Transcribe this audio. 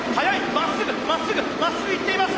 まっすぐまっすぐまっすぐいっています！